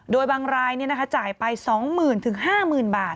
โดยบางรายเนี่ยนะคะจ่ายไปสองหมื่นถึงห้าหมื่นบาท